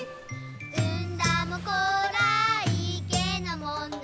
「うんだもこらいけなもんな」